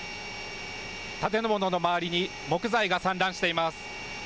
建物の周りに木材が散乱しています。